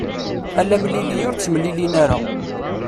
Ala amlili ur ttemlilin ara.